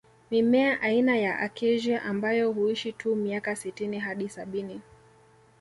Mimea aina ya Acacia ambayo huishi tu miaka sitini hadi sabini